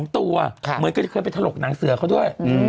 ตัวเหมือนกันเคยไปถลกหนังเสือเขาด้วย